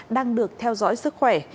đang được theo dõi sức khỏe